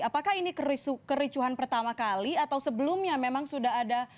apakah ini kericuhan pertama kali atau sebelumnya memang sudah ada